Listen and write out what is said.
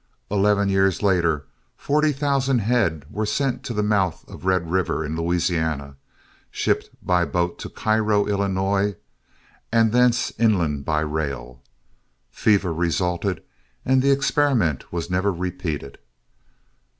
Eleven years later forty thousand head were sent to the mouth of Red River in Louisiana, shipped by boat to Cairo, Illinois, and thence inland by rail. Fever resulted, and the experiment was never repeated.